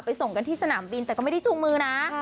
ส่งกันที่สนามบินแต่ก็ไม่ได้จูงมือนะ